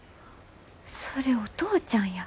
それお父ちゃんや。